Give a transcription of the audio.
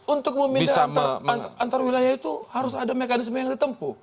untuk memindahkan antar wilayah itu harus ada mekanisme yang ditempuh